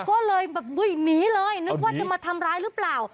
ก็เลยแบบวิ่งหนีเลยนึกว่าจะมาทำร้ายหรือเปล่า